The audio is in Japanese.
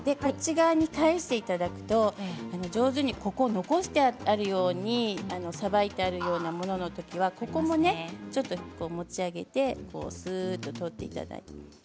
裏を返していただくと上手に残してあるようにさばいてあるようなもののところは、ここも持ち上げてすーっと取っていただいて。